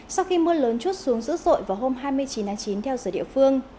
sau khi mưa lớn chút xuống dữ dội vào hôm hai mươi chín tháng chín theo giờ địa phương